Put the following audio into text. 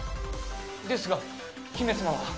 ですが姫様は。